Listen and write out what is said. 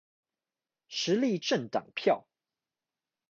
時力政黨票